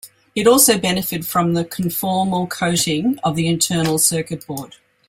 It also benefited from the conformal coating of the internal circuit board.